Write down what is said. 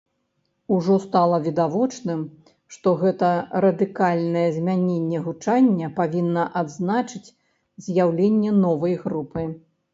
Ужо стала відавочным, што гэта радыкальнае змяненне гучання павінна адзначыць з'яўленне новай групы.